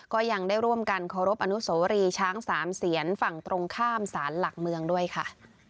ก็ยังได้ร่วมกันเคารพอนุสวรีช้างสามเสียนฝั่งตรงข้ามสารหลักเมืองด้วยค่ะ